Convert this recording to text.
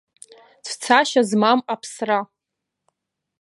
Цәцашьа змам аԥсра.